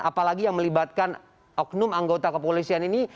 apalagi yang melibatkan oknum anggota kepolisian ini